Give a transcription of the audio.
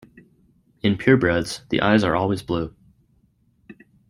In purebreds, the eyes are always blue.